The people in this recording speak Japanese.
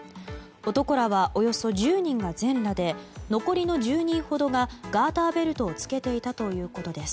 男らは、およそ１０人が全裸で残りの１０人ほどがガーターベルトを着けていたということです。